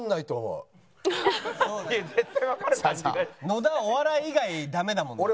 野田お笑い以外ダメだもんな。